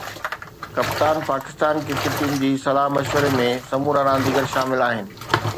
ڪپتان Pakistan cricket team جي صلاح مشوري ۾ سمورا رانديگر شامل آهن